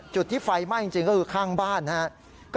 จุดที่ไฟไหม้จริงก็คือข้างบ้านนะครับ